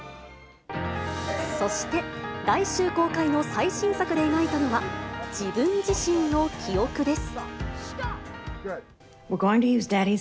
そして、来週公開の最新作で描いたのは、自分自身の記憶です。